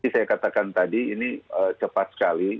saya katakan tadi ini cepat sekali